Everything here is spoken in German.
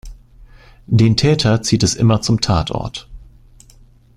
Den Täter zieht es immer zum Tatort.